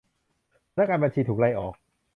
พนักงานบัญชี ถูกไล่ออก